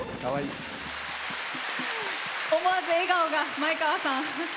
思わず笑顔が、前川さん。